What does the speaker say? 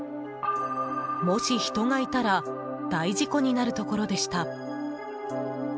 もし人がいたら大事故になるところでした。